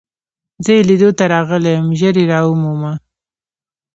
زه يې لیدو ته راغلی یم، ژر يې را ومومه.